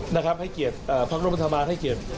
นะครับให้เกียรติพระครบรรษฐรมาท์ให้เกียรติ